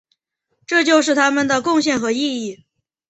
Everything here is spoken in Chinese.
这就是他们的贡献和意义。